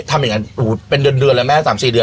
ทำอย่างนั้นเป็นเดือนแล้วแม่๓๔เดือน